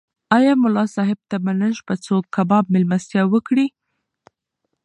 ایا ملا صاحب ته به نن شپه څوک کباب مېلمستیا وکړي؟